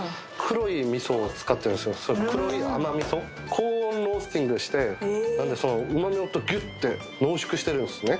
高温ロースティングして旨みをギュって濃縮してるんですね